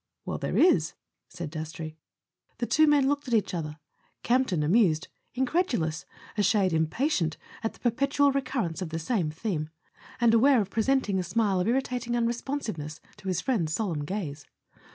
" "Well, there is" said Dastrey. The two men looked at each other: Campton amused, incredulous, a shade impatient at the perpetual recur¬ rence of the same theme, and aware of presenting a A SON AT THE FRONT smile of irritating unresponsiveness to his friend's solemn gaze.